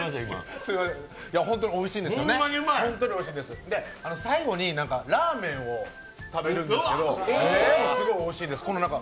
本当においしいんですよね、最後にラーメンを食べるんですけどそれもすごいおいしいんです。